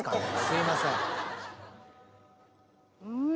すいません。